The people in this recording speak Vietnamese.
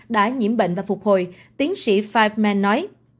đã nhiễm bệnh và phục hồi tiến sĩ fireman nói